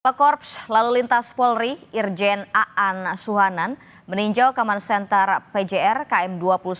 pak korps lalu lintas polri irjen a an suhanan meninjau command center pjr km dua puluh sembilan